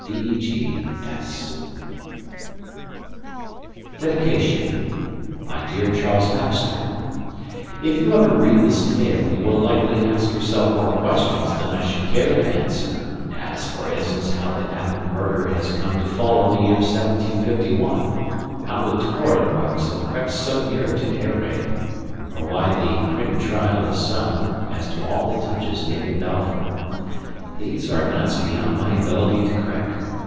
DE G. S. DEDICATION MY DEAR CHARLES BAXTER: If you ever read this tale, you will likely ask yourself more questions than I should care to answer: as for instance how the Appin murder has come to fall in the year 1751, how the Torran rocks have crept so near to Earraid, or why the printed trial is silent as to all that touches David Balfour. These are nuts beyond my ability to crack.